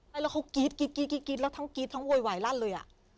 แล้วเขากรี๊ดกรี๊ดกรี๊ดกรี๊ดแล้วทั้งกรี๊ดทั้งโวยวายลั่นเลยอ่ะ